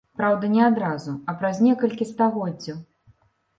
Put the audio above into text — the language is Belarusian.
Праўда, не адразу, а праз некалькі стагоддзяў.